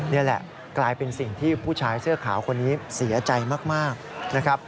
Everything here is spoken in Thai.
นี่แหละกลายเป็นสิ่งที่ผู้ชายเสื้อขาวคนนี้เสียใจมากนะครับ